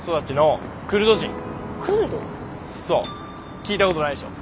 聞いたことないっしょ。